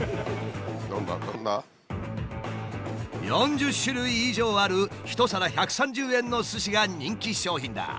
４０種類以上ある一皿１３０円のすしが人気商品だ。